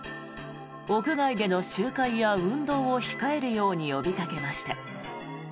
屋外での集会や運動を控えるように呼びかけました。